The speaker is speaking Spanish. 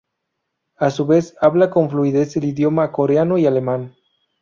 A su vez habla con fluidez el idioma coreano y Alemán.